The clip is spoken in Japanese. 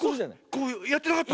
こうやってなかった？